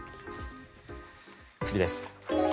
次です。